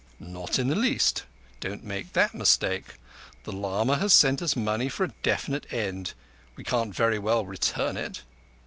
"Not in the least. Don't make that mistake. The lama has sent us money for a definite end. We can't very well return it.